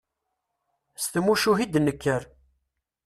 S tmucuha i d-nekker.